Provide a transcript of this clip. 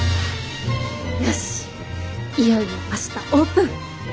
よしいよいよ明日オープン！